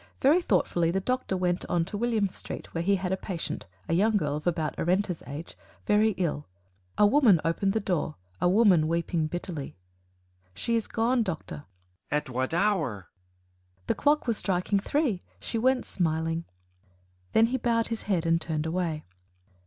Very thoughtfully the Doctor went on to William Street where he had a patient, a young girl of about Arenta's age very ill. A woman opened the door a woman weeping bitterly. "She is gone, Doctor." "At what hour?" "The clock was striking three she went smiling." Then he bowed his head and turned away.